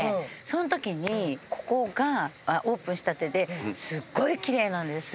その時にここがオープンしたてですっごいキレイなんです